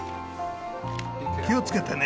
気を付けてね。